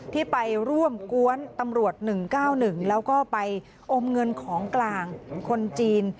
ที่ไปร่วมกวนตำรวจ๑๙๑แล้วก็ไปอมเงินของกลางคนจีน